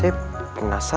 ya aku mau ke rumah gua